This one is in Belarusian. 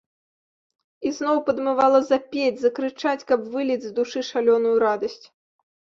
І зноў падмывала запець, закрычаць, каб выліць з душы шалёную радасць.